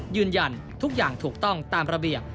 ยืนยันทุกอย่างถูกต้องตามระเบียบ